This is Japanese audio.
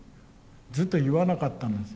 ずっと言わなかったんです。